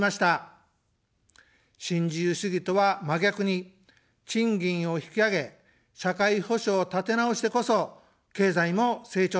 新自由主義とは、真逆に賃金を引き上げ、社会保障を立てなおしてこそ、経済も成長します。